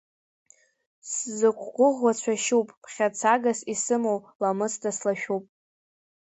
Сзықәгәыӷуа цәашьуп, ԥхьа цагас исымоуп, ламысда слашәуп.